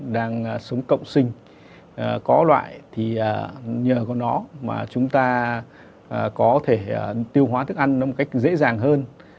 đang sống cộng sinh có loại thì nhờ có nó mà chúng ta có thể tiêu hóa thức ăn nó một cách dễ dàng hơn